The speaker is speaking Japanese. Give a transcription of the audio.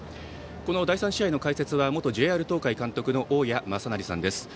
この第３試合の解説は元ＪＲ東海監督の大矢正成さんです。